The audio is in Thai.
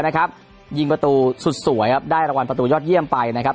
ท่าเรือนะครับยิงประตูสุดสวยครับได้รางวัลประตูยอดเยี่ยมไปนะครับ